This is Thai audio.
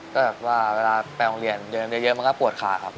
ก็แบบว่าเวลาไปโรงเรียนเดินเยอะมันก็ปวดขาครับ